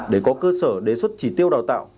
để có cơ sở đề xuất chỉ tiêu đào tạo